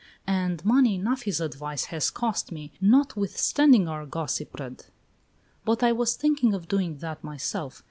"And money enough his advice has cost me, notwithstanding our gossipred! But I was thinking of doing that myself.